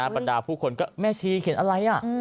บรรดาผู้คนก็แม่ชีเขียนอะไร